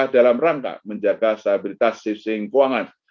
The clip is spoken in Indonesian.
dalam rangka menjaga stabilitas saving keuangan